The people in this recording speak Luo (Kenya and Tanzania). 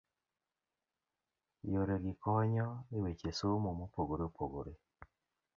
Yore gi konyo e weche somo mopogore opogore.